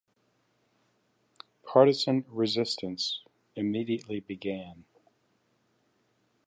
Partisan resistance immediately began.